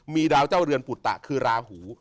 มีดาวเจ้าเรือนปุตตะคือราหู